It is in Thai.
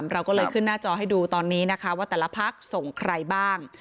เราก็เลยขึ้นหน้าจอให้ดูตอนนี้นะคะว่าแต่ละพักส่งใครบ้าง